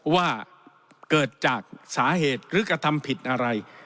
ว่าเกิดจากสาเหตุหรือกระทำผิดอะไร